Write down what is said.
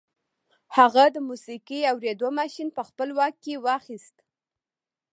هغه د موسیقي اورېدو ماشين په خپل واک کې واخیست